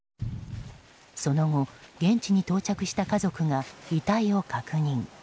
その後、現地に到着した家族が遺体を確認。